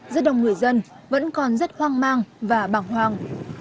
rất đông người dân vẫn còn rất hoang mang và bỏng hoang